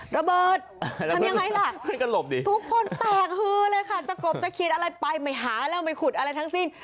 ระเบิดทำยังไงล่ะทุกคนแตกฮือเลยค่ะจะกบจะขีดอะไรไปไม่หาแล้วไม่ขุดอะไรทั้งสิ้น